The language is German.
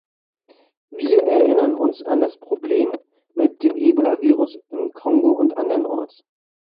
Wir erinnern uns an das Problem mit dem Ebola-Virus im Kongo und andernorts.